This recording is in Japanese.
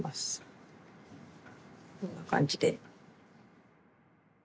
こんな感じで。